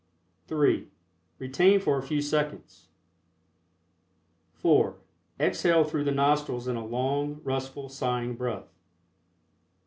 (3) Retain for a few seconds. (4) Exhale through the nostrils in a long, restful, sighing breath.